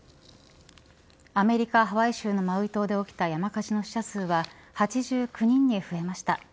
アメリカ・ハワイ州のマウイ島で起きた山火事の死者数は８０人に増えました。